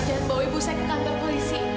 jangan bawa ibu saya ke kantor polisi